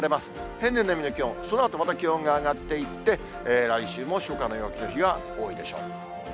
平年並みの気温、そのあとまた気温が上がっていって、来週も初夏の陽気の日が多いでしょう。